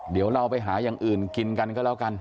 เดี๋ยวเราไปหาอย่างอื่นกินกันก็แล้วกัน